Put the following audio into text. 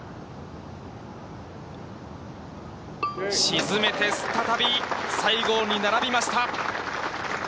沈めて、再び西郷に並びました。